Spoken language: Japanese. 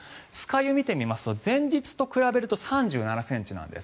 湯を見てみますと前日と比べると３７ｃｍなんです。